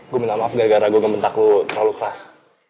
gue minta maaf gara gara gue gementar lu terlalu keras